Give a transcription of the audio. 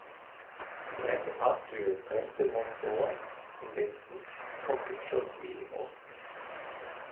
Die breite Passhöhe trennt den Mont d'Or im Westen vom Pic Chaussy im Osten.